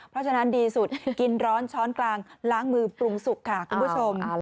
เพราะฉะนั้นดีสุดกินร้อนช้อนกลางล้างมือปรุงสุกค่ะคุณผู้ชม